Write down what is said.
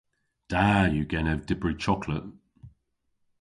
Da yw genev dybri choklet.